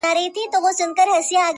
نجات نه ښکاري د هيچا له پاره